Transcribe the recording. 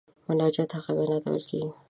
مناجات هغې وینا ته ویل کیږي.